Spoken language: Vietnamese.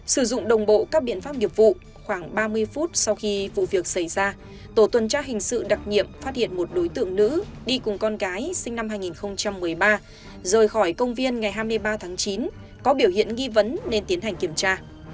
sử dụng đồng bộ các biện pháp nghiệp vụ khoảng ba mươi phút sau khi vụ việc xảy ra tổ tuần tra hình sự đặc nhiệm phát hiện một đối tượng nữ đi cùng con gái sinh năm hai nghìn một mươi ba rời khỏi công viên ngày hai mươi ba tháng chín có biểu hiện nghi vấn nên tiến hành kiểm tra